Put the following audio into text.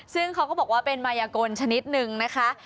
ซึ่งเขาก็บอกว่าเป็นมายกลชนิดนึงนะคะ